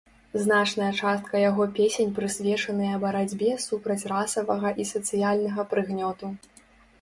Значная частка яго песень прысвечаныя барацьбе супраць расавага і сацыяльнага прыгнёту.